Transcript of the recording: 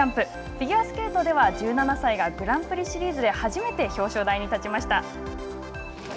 フィギュアスケートでは１７歳がグランプリシリーズで初めて表彰台に立ちました。